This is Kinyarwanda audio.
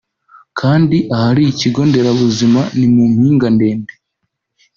kandi ahari ikigo nderabuzima ni mu mpinga ndende